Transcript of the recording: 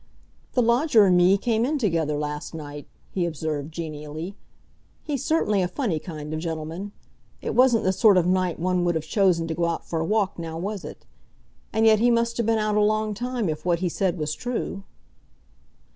"The lodger and me came in together last night," he observed genially. "He's certainly a funny kind of gentleman. It wasn't the sort of night one would have chosen to go out for a walk, now was it? And yet he must 'a been out a long time if what he said was true."